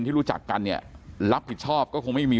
ที่รู้จักกันเนี่ยรับผิดชอบก็คงไม่มี